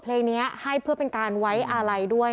และก็มีการกินยาละลายริ่มเลือดแล้วก็ยาละลายขายมันมาเลยตลอดครับ